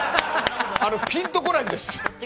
ピンとこないんです。